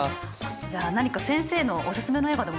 じゃあ何か先生のオススメの映画でも。